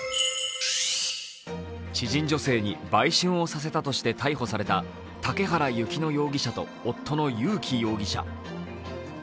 知人女性に売春をさせたとして逮捕された嵩原ゆき乃容疑者と夫の優力容疑者。